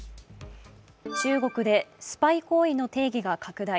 中国でスパイ行為の定義が拡大。